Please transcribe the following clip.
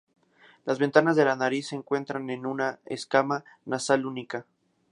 Las ventanas de la nariz se encuentran en una escama nasal única.